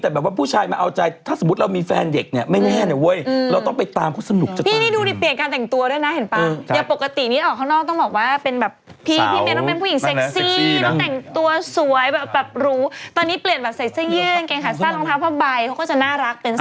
แสงตัวสวยแบบรู้ตอนนี้เปลี่ยนแบบใส่เส้นเยื่อนแกงขาซารองเท้าพ่อใบเขาก็จะน่ารักเป็นสไตล์เดียวกัน